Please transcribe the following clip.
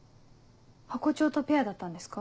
ハコ長とペアだったんですか？